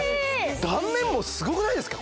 断面もすごくないですか？